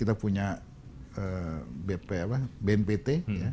kita punya bmpt